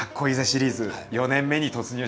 シリーズ４年目に突入しました。